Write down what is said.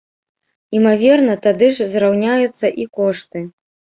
Імаверна, тады ж зраўняюцца і кошты.